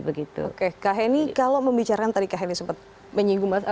oke kak heni kalau membicarakan tadi kak heni sempat menyinggung